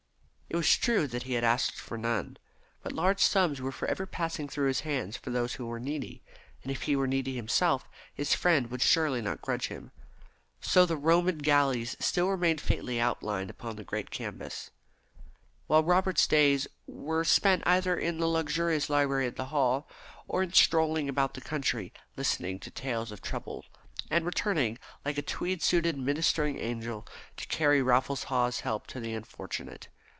It was true that he had asked for none, but large sums were for ever passing through his hands for those who were needy, and if he were needy himself his friend would surely not grudge it to him. So the Roman galleys still remained faintly outlined upon the great canvas, while Robert's days were spent either in the luxurious library at the Hall, or in strolling about the country listening to tales of trouble, and returning like a tweed suited ministering angel to carry Raffles Haw's help to the unfortunate.